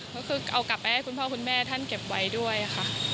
ก็คือเอากลับไปให้คุณพ่อคุณแม่ท่านเก็บไว้ด้วยค่ะ